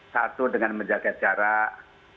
satu dengan menjaga jarak